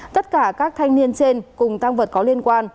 tất cả các thanh niên trên cùng tăng vật có liên quan